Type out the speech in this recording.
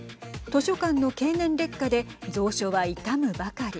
図書館の経年劣化で蔵書は傷むばかり。